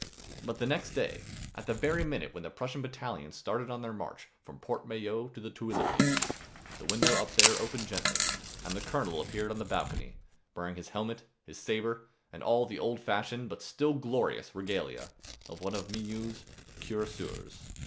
But the next day, at the very minute when the Prussian battalions started on their march from the Porte Maillot to the Tuileries,[274 1] the window up there opened gently and the Colonel appeared on the balcony wearing his helmet, his saber and all the old fashioned but still glorious regalia of one of Milhaud's cuirassiers.